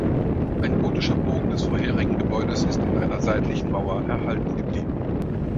Ein gotischer Bogen des vorherigen Gebäudes ist in einer seitlichen Mauer erhalten geblieben.